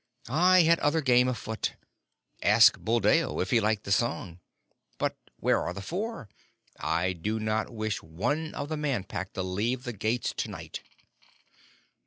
"I had other game afoot. Ask Buldeo if he liked the song. But where are the Four? I do not wish one of the Man Pack to leave the gates to night."